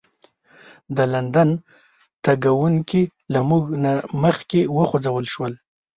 د لندن تګونکي له موږ نه مخکې وخوځول شول.